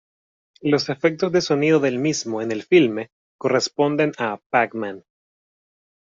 Los efectos de sonido del mismo en el filme, corresponden a "Pac Man".